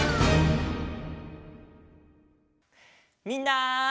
みんな！